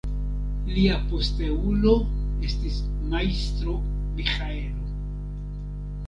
Lia posteulo estis Majstro Miĥaelo.